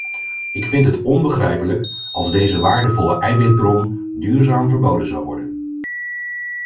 Ik vind het onbegrijpelijk als deze waardevolle eiwitbron duurzaam verboden zou worden.